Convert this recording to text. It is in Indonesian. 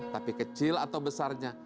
tapi kecil atau besarnya